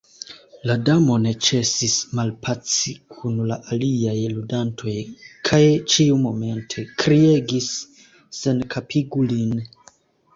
La Damo ne ĉesis malpaci kun la aliaj ludantoj kaj ĉiumomente kriegis "Senkapigu lin."